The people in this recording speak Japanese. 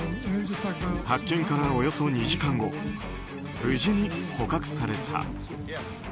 発見からおよそ２時間後無事に捕獲された。